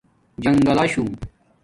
جنگلہ شُݸہ